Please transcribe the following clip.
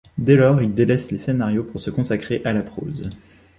Dès lors, il délaisse les scénarios pour se consacrer à la prose.